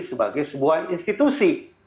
sebagai sebuah institusi